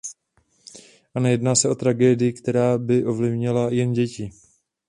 A nejedná se o tragédii, která by ovlivňovala jen děti.